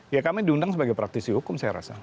ya kami diundang sebagai praktisi hukum saya rasa